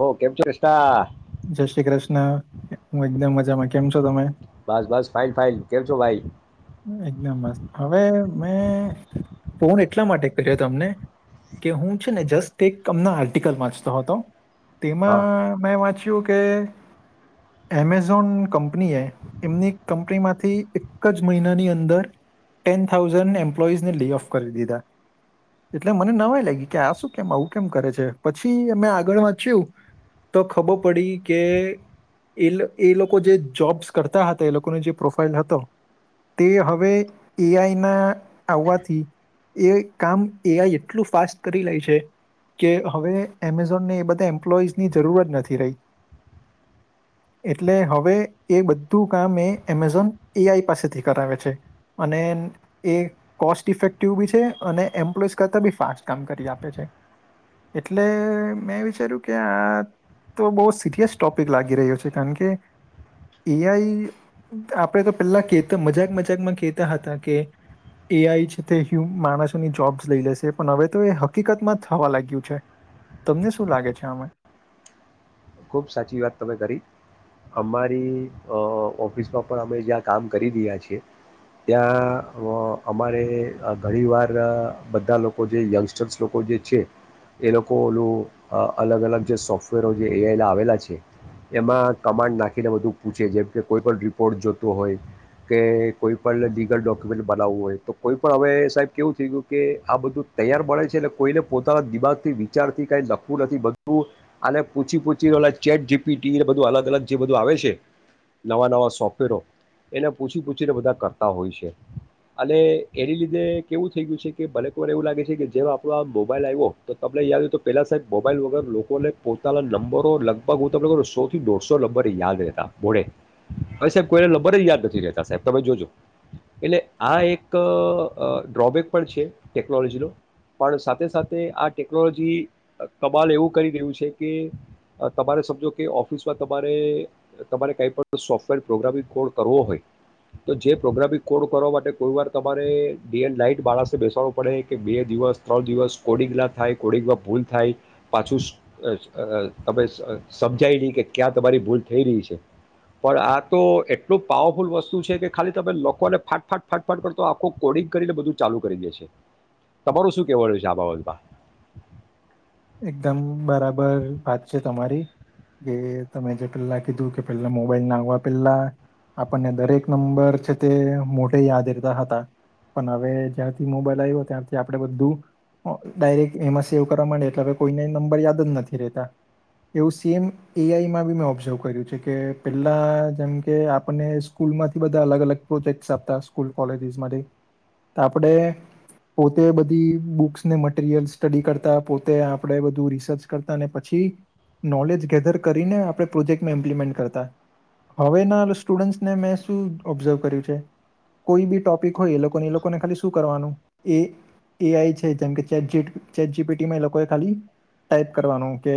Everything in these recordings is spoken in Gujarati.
ઓ કેમ છો કૃષ્ણ? જય શ્રી કૃષ્ણ, હું એકદમ મજામાં કેમ છો તમે? બસ બસ ફાઇન ફાઈન કેમ છો ભાઈ? એકદમ મસ્ત. હવે મેં ફોન એટલા માટે કર્યો હતો તમને, કે હું છે ને જસ્ટ એક અમ આર્ટિકલ વાંચતો હતો. હા તેમાં મેં વાંચ એમેઝોન કંપની એ એમની કંપની માંથી એક જ મહિનાની અંદર, ટેન થાઉઝન્ડ એમ્પ્લોઈઝને લે ઓફ કરી દીધા, એટલે મને નવાય લાગી કે આ શું કેમ આવું કેમ કરે છે પછી અમે આગળ વાંચ્યું, તો ખબર પડી કે એ એ લોકો જે જોબ્સ કરતા હતા એ લોકોનો જે પ્રોફાાઈલ હતો, તે હવે એ આઈના આવવાથી એ કામ એ આઈ એટલું ફાસ્ટ કરી લે છે કે હવે એમેઝોનને એ બધા એમ્પ્લોઈઝની જરૂરત નથી રહી. એટલે હવે એ બધું કામ એ એમેઝોન એ આઈ પાસેથી કરાવે છે અને એ કોસ્ટ ઇફેક્ટિવ બી છે અને એમ્પ્લોઈ કરતા બી ફાસ્ટ કામ કરી આપે છે, એટલે મેં વિચાર્યું કે આ તો બહું સિરિયસ ટોપિક લાગી રહ્યો છે કારણ કે, એ આઈ આપણે તો પહેલાતા મજાક મજાકમાં કહેતા હતા કે, એ આઈ છે તે માણસોની જોબ્સ લઈ લેશે પણ હવે તો એ હકીકતમાં થવા લાગ્યું છે, તમને શું લાગે છે આમાં? ખુબ સાચી વાત તમે કરી, અમારી ઓફિસમાં પણ અમે જ્યાં કામ કરી રહ્યા છીએ, ત્યાં અમારે ઘણી વાર બધા લોકો જે યંગસ્ટર્સ લોકો જે છે, એ લોકો ઓલું અલગ અલગ જે સોફ્ટવેરો જે એ આવેલા છે, એમાં કમાન્ડ નાખીને બધું પૂછે જેમ કે કોઈપણ રિપોર્ટ જોતો હોય, કે કોઈપણ લીગલ ડોક્યુમેન્ટ બનાવવું હોય તો કોઈ પણ હવે સાહેબ કેવું થઈ ગયું કે આ બધું તૈયાર મળે છે એટલે કોઈને પોતાના દિમાગથી વિચારથી કાંઈ લખવું નથી બધું, અને પૂછી પૂછી ઓલા ચેટ જીપી ટીવી બધું અલગ અલગ જે બધું આવે છે, નવાં નવાં સોફ્ટવેરો, એને પૂછી પૂછીને બધા કરતા હોય છે, અને એની લીધે કેવું થઈ ગયું છે કે ભલેકવાર એવું લાગે છે કે જેમ આપણો આ મોબાઈલ આવ્યો તો તમને યાદ હોય તો પહેલાં સાહેબ મોબાઈલ વગર લોકોને પો પોતાના નંબરો લગભગ હું તમને સો થી દોઢસો નંબરે યાદ રહેતા, મોડે હવે સાહેબ કોઈના નંબરે યાદ નથી રહેતા સાહેબ તમે જોજો એટલે આ એક ડ્રોબેક પણ છે, ટેકનોલોજી ન પણ સાથે સાથે આ ટેકનોલોજી કમાલ એવું કરી રહ્યું છે. કે તમારે સમજો કે ઓફિસમાં તમારે તમારે કાંઈ પણ સોફ્ટવેર પ્રોગ્રામિંગ કોડ કરવો હોય તો જે પ્રોગ્રામિંગ કોડ કરવા માટે કોઈવાર તમારે ડડી એન્ડ લઇટ માળસે બેસાવો પડે કે બે દિવસ ત્રણ દિવસ કોડિંગ ના થાય કોડિંગમાં ભૂલ થાય પાછું અ તમે સમજાયલી કે ક્યાં તમારી ભૂલ થઈ રહી છે, પણ આ તો એટલું પાવરફુલ વસ્તુ છે કે ખાલી તમે લોકોને ફાટફાટ ફાટફાટ કરતો આખો કોડિંગ કરીને બધું ચાલુ કરી દેશે, તમારું શું કેવ રહ્યું છે આ બાબત માં? એકદમ બરાબર વાત છે તમારી, કે તમે જે પેલા કીધું કે પેલા મોબાઈલ ના આવવા પેલા આપણને દરેક નંબર છે તે મોઢે યાદ રહેતા હતા પણ હવે જ્યાારથી મોબાઈલ આવ્યો ત્યારથી આપણે બધું ડાયરેક્ટ એમાં સેવ કરવા માંડયા. હવે કોઈને નંબર યાદ જ નથી રહેતા, એવું સેમ એઆઈમાં બી મેં ઓબ્ઝર્વ કર્યું છે, કે પેલા જેમ કે આપને સ્કૂલમાંથી બધા અલગ અલગ પ્રોજેક્ટ આપતા સ્કૂલ કોલેજીસમાંથી આપણે પોતે બધી બુક્સને મટીરીયલસ સ્ટડી કરતા. તે આપણેે બધું રિસર્ચ કરતા પછી, નોલેજ ગેધર કરીને આપણે પ્રોજેક્ટમાં ઇમ્પ્લિમેન્ટ કરતા, હવેના સ્ટુડન્ટસને મેં શું ઓબ્ઝર્વ કર્યું છે, કોઈ બી ટોપિક હોય એ લોકોને એ લોકોને ખાલી શું કરવાનું એઆઈ છે જેમકે ચેટ જીપીટી માં એ લોકો યે ખાલી ટાઈપ કરવાનું કે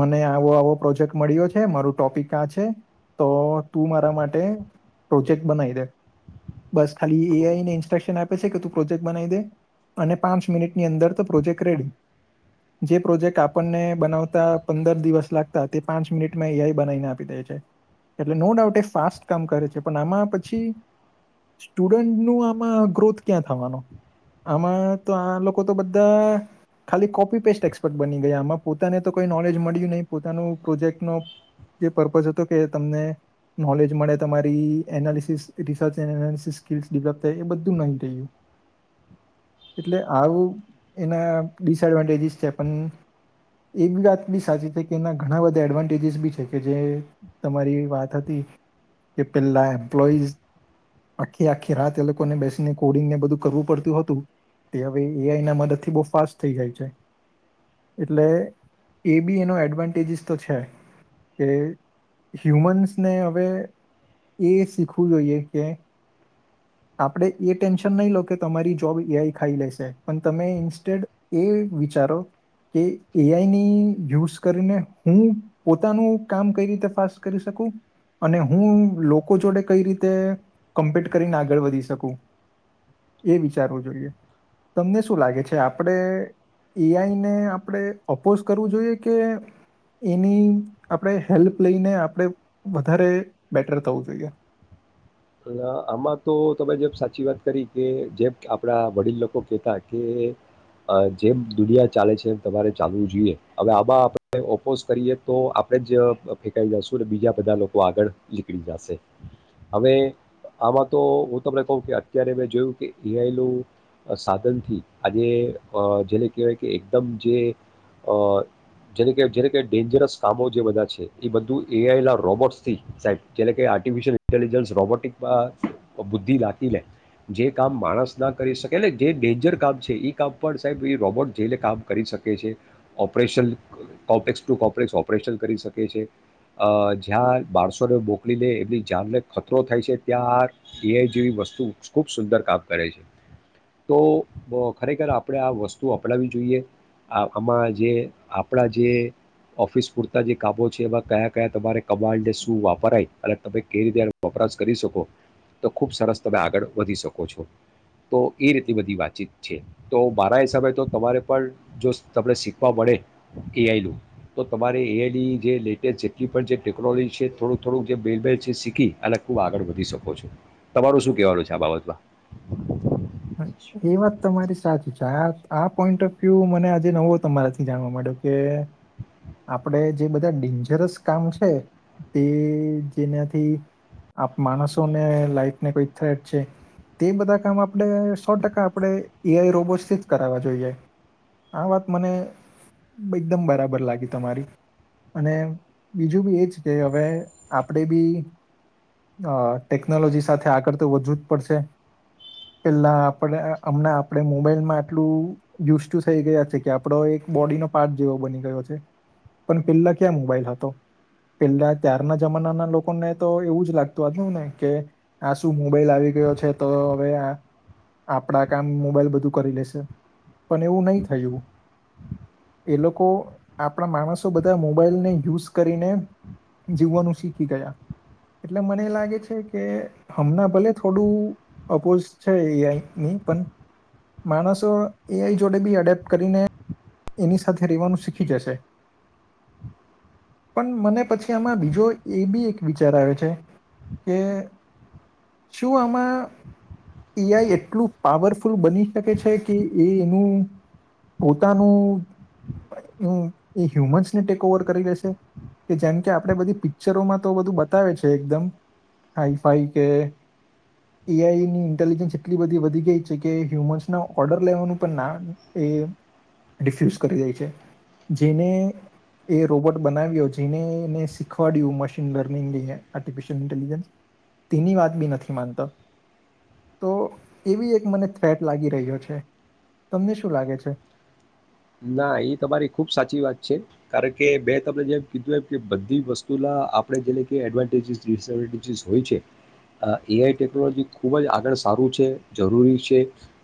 મને આવો આવો પ્રોજેક્ટ મળ્યો છે મારું ટોપિક આ છે, તો તું મારા માટે પ્રોજેક્ટ બનાવી દે, બસ ખાલી એ આઈને ઇન્સ્ટ્રક્શન આપે છે, કે તું પ્રોજેક્ટ બનાઈ દે અને પાંચ મિનિટની અંદર તો પ્રોજેક્ટ રેડી. જે પ્રોજેક્ટ આપણને બનાવતા પંદર દિવસ લાગતા તે પાંચ મિનિટમાં એ આય બનાવીને આપી દે છે, એટલે નો ડાઉટ એ ફાસ્ટ કામ કરે છે પણ આમાં પછી સ્ટુડન્ટનું આમાં ગ્રોથ ક્યાં થવાનો હતો, આમાં તો આ લોકો તો બધા ખાલી કોપ કોપીપેસ્ટ એક્સપર્ટ બની ગયા, આમાં પોતાને તો કોઈ નોલેજ મળ્યું નહી, પોતાનું પ્રોજેક્ટ નો જે પર્પઝ હતો કે તમને નોલેજ મળે, તમારી analysis research analysis skill develop થાય એ બધું બંધ થય ગથું, એટલે આવું એના ડીસ એડવાનટેજિસ છે પન એ બી વાત બી સાચી છે કે એના ઘણા બધા એડવાન્ટેજીસ બી છે, કે જે તમારી વાત હતી કે પેલા એમ્પ્લોઈઝ આખી આખી રાત એ લોકોને બેસીને કોડિંગને બધું કરવું પડતું હતું, તે હવે એઆઈ ના મદદ થી બો ફાસ્ટ થઈ ગયુ છે. એટલે એ બી એનો એડવાન્ટેજિસ તો છે, કે, હ્યુમન્સને હવે એ શીખવું જોઈએ કે આપણે એ ટેન્શન નહીં લો કે તમારી જોબ એ આય ખાઈ લેશે, પણ તમે ઇન્સ્ટેડ એ વિચા સારો કે એઆઈની યુઝ કરીને હું પોતાનું કામ કઈ રીતે ફાસ્ટ કરી શકું અને હું લોકો જોડે કઈ રીતે કમ્પેટ કરીને આગળ વધી શકું એ વિચારવું જોઈએ. તમને શું લાગે છે, આપણે એઆઈને આપણે અપોઝ કરવું જોઈએ કે, એની આપણે હેલ્પ લઈને આપણે વધારે બેટર થવું જોઈએ. અને આમાં તો તમે જે સાચી વાત કરી કે, જેમ આપડા વડીલ લોકો કેહેતા કે જેમ દુનિયા ચાલે છે એમ તમારે ચાલવું જોઈએ. હવે આમાં આપણે ઓપોઝ કરીએ તો આપણેે જ ફેંકાઈ જશું અને બીજા બધા લોકો આગળ નીકળી જશે. હવે આમાં તો હું તમને કહું કે અત્યારે મેં જોયું કે એઆઈ નું સાધનથી આજે જેને કહેવાય કે, એકદમ જે જેને જેને ડેન્જરસ કામો જે બધા છે, એ બધું એઆઈ રોબોટ્સ થી જે ને કેય આર્ટિફિશિયલ ઇન્ટેલિજન્સ રોબોટિક. અ બુદ્ધિ નાખી લેય. જે કામ માણસ ના કરી શકે, જે ડેન્જર કામ છે એ કામ પણ સાહેબ એ રોબોટ જઈને કામ કરી શકે છે, operation complex to complex operation કરી શકે છે. જ્યાં માણસો ને મોકલી લે એમની જાનને ખતરો થાય છે. ત્યાં એઆઈ જેવી વસ્તુ ખૂબ સુંદર કામ કરે છે, તો ખરેખર આપણે આ વસ્તુ અપનાવી જોઈએ. આ આમાં જે આપણા જે ઓફિસ પૂરતા જે કામો છે, એમાં કયા કયા તમારે કબાટ ને શું વાપરાય અને તમે કઈ રીતે વપરાશ કરી શકો. તો ખૂબ સરસ તમે આગળ વધી શકો છો તો ઈ રીતે બધી વાતચીત છે, તો મારા હિસાબે તો તમારે પણ જો તમને શીખવા મળે એઆઈનું તો તમારે એઆઈની જે લેટેસ્ટ જેટલી પણ જે ટેકનોલોજી છે થોડું થોડું જે [unintelligible] છે શીખી અને ખૂબ આગળ વધૂ વધી શકો છો. તમારું શું કહેવાનું છે, આ બાબતમાં? એ વાત તમારી સાચી છે આય આ પોઈન્ટ ઓફ વ્યૂ મને આજે નવો તમારાથી જાણવા માંડ્યો કે, આપણે જે બધા ડેન્જરસ કામ છે તે જેનાથી આપ માણસોને લાઈફને કોઈ થ્રેટ છે, તે બધા કામ આપ આપણે સો ટકા આપણે એઆઈ રોબોટસથી જ કરાવવા જોઈએ, આ વાત મને એકદમ બરાબર લાગી તમારી અને બીજું બી એ જ કે હવે આપણે બી ટેકનોલોજી સાથે આગળ તો વધવું જ પડશે. પેલા આપણે હમણાં આપણે મોબાઈલમાં આટલું યુઝ ટુ થઈ ગયા છે કે, આપડો એક બોડીનો પાર્ટ જેવો બની ગયો છે, પણ પેલા ક્યાં મોબાઈલ હતો. પેલા ત્યારના જમાના માં લોકોને તો એવું જ લાગતું હતું ને કે આ શું મોબાઈલ આવી ગયો છે, તો હવે આ આપણા કામ મોબાઈલ બધું કરી લેશે પણ એવું નય થયું. એ લોકો આપણા માણસો બધા મોબાઈલને યુઝ કરીને જીવવાનું શીખી ગયા એટલે મને લાગે છે કે હમણાં ભલે થોડું અપોઝ છે. એઆઈ ની પણ માણસો એઆઈ જોડે બી એડેપ્ટ કરીને એની સાથે રહેેવાનું શીખી જશે પણ મને પછી આમાં બીજો એ બી એક વિચાર આવે છે કે શું આમાં એઆઈ એટલું પાવરફુલ બની શકે છે કે, એ એનું પોતાનું એ હ્યુમન્સને ટેક ઓવર કરી લેશે કે જેમ કે આપણે બધી પિક્ચરોમાં તો બધું બતાવે છે એકદમ હાઈફાઈ કે એઆઈની ઇન્ટેલિજન્સ એટલી બધી વધી ગઈ છે કે, હ્યુમન્સના ઓર્ડર લેવાનું પણ ના એ ડિફ્યુઝ કરી દે છે. જેને એ રોબોટ બનાવ્યો, જેને એને શીખવાડ્યું મશીન લર્નિંગ એ આર્ટિફિશિયલ ઇન્ટેલિજન્સ તેની વાત બી નથી માનતા. તો એવી એક મને થ્રેટ લાગી રહ્યો છે, તમને શું લાગે છે? ના ઈ તમારી ખુબ સાચી વાત છે કારણ કે મે તમને જેમ કીધું એમ કે બધી વસ્તુના આપણે જેને કે એડવાન્ટેજીસ ડિસએડવાન્ટેજીસ હોય છે. એઆઈ ટેકનોલોજી ખૂબ જ આગળ સારું છે, જરૂરી છે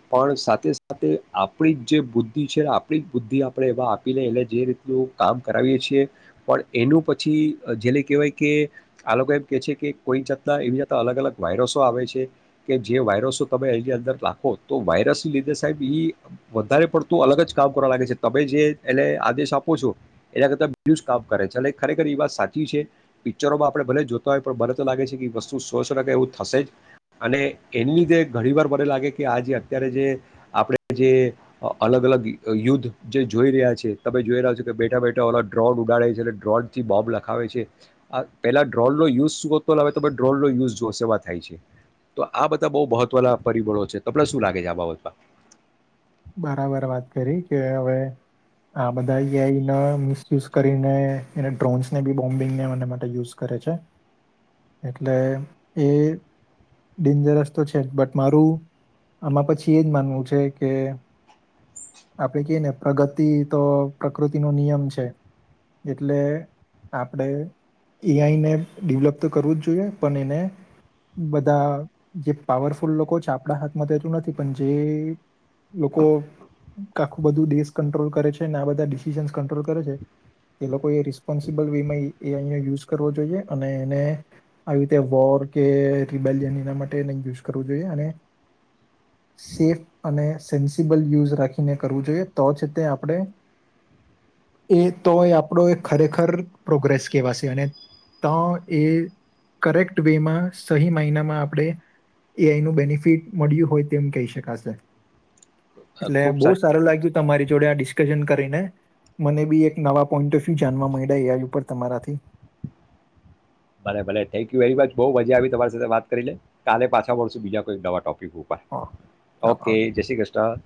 પણ સાથે સાથે આપણી જ જે બુદ્ધિ છે આપ આપણી બુદ્ધિ આપણે એને આપીને એને જે રીતનું કામ કરાવીએ છીએ પણ એનું પછી જેને કહેવાય કે, આ લોકો એમ કહે છે કે કોઈ જાતના એવી જાતાં અલગ અલગ વાયરસો આવે છે કે જે વાયરસો તમે એની અંદર રાખો તો વાયરસ લીધે સાહેબ એ વધારે પડતું અલગ જ કામ કરવા લાગે છે. તમે જે એને આદેશ આપો છો એના કરતા બીજુ જ કામ કરે છે. ખરેખર ઈ વાત સાચી છે પિક્ચરોમાં આપણે ભલે જોતા હોય તો મને તો લાગે છે કે વસ્તુ સોસો ટકા એવું થશે જ અને એને લીધે ઘણી વાર મને લાગે કે આ જે અત્યારે જે આપણે જે અલગ અલગ યુદ્ધ જે જોઈ રહ્યા છે તમે જોઈ રહ્યા છો કે, બેઠા બેઠા ઓલો ડ્રોન ઉડાડે છે એટલે ડ્રોન થી બોમ્બ લખાવે છે. પેલા ડ્રોનનો યુઝ શું હતો હવે તમે જોવ ડ્રોનનો યુઝ સેમાં થાય છે, તો આ બધા બઉ મહત્વના પરિબળો છે તમને શું લાગે છે આ બાબતમાં? બરાબર વાત કરી કે, હવે આ બધા એઆઈ નો મિસયુઝ કરીને એને ડ્રોન્સને બી બોમ્બિંગને માટે યુઝ કરે છે એટલે એ ડેન્જરસ તો છે જ બટ મારું આમાં પછી એ જ માનવું છે કે આપણે કેય ને પ્રગતિ તો પ્રકૃતિનો નિયમ છે એટલે આપણેે એઆઈને ડેવલપ તો કરવું જ જોઈએ પણ એને બધા જે પાવરફુલ લોકો છે આપણા હાથમાં થતું નથી પણ જે લોકો આખું બધું દેશ કંટ્રોલ કરે છે ને આ બધા ડિસિઝન્સ કંટ્રોલ કરે છે, એ લોકો એ રિસ્પોન્સિબલ વે માં એ અહીંયા યુઝ કરવો જોઈએ અને એને આવી રીતે વોર કે રિબેલિયન એના માટે નય યુઝ કરવો જોઈએ અને સેફ અને સેન્સિબલ યુઝ રાખીને કરવું જોઈએ, તો જ તે આપડે એ તો એ આપડો એ ખરેખર પ્રોગ્રેસ કેહવાશે અને તો એ કરેક્ટ વેમાં સહી માઈનામાં આપણે એનું બેનિફિટ મળ્યું હોય તેમ કહી શકાશે. અ, એટલે ખૂબ બો સાચ સારું લાગ્યું તમારી જોડે આ ડિસ્કશન કરીને, મને બી એક નવા પોઈન્ટ ઓફ્ વ્યુ જાનવા મય્ળા એ આય ઉપર તમારાથી ભલે ભલે થેન્ક યુ વેરી મચ બો મજા આવી તમારી સાથે વાત કરીને, કાલે પાછા મળશું બીજા કોઈક નવા ટોપ પિક ઉપર. ઓકે ઓ ચાલો કે, આવજો જે શ્રી ક્રષ્ણ.